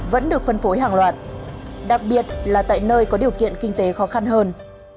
vẫn được phân phối hàng loạt đặc biệt là tại nơi có điều kiện kinh tế khó khăn hơn